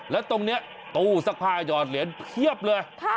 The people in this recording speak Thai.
แล้วตรงนี้ตู้ซักผ้าหยอดเหรียญเพียบเลย